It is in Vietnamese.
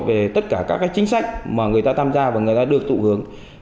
về tất cả các chính sách mà người ta tham gia và người ta được tụ hướng